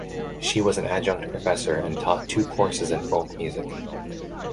She was an adjunct Professor and taught two courses in Folk Music.